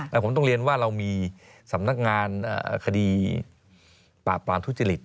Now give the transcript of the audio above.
แต่ผมต้องเรียนว่าเรามีสำนักงานคดีปราบปรามทุจริต